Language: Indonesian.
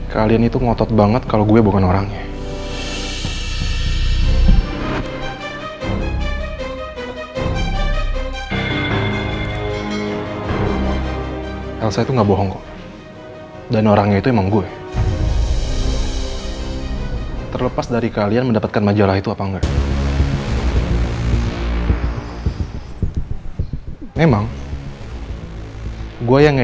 kalian itu ngotot banget kalau gue bukan orangnya